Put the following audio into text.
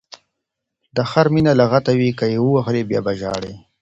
د خر مینه لګته ده، که یې ووهلی بیا به ژاړی.